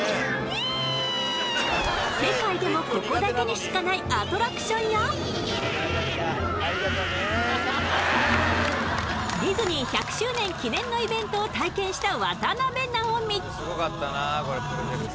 わあーバイバーイでイッ世界でもここだけにしかないアトラクションやディズニー１００周年記念のイベントを体験した渡辺直美